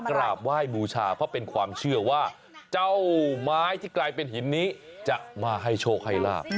กราบไหว้บูชาเพราะเป็นความเชื่อว่าเจ้าไม้ที่กลายเป็นหินนี้จะมาให้โชคให้ลาบ